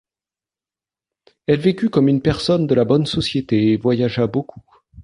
Elle vécut comme une personne de la bonne société et voyagea beaucoup.